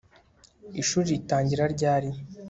ishuri ritangira ryari